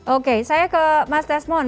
oke saya ke mas desmond